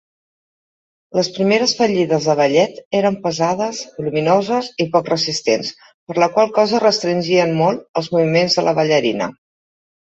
Les primeres faldilles de ballet eren pesades, voluminoses i poc resistents, per la qual cosa restringien molt els moviments de la ballarina.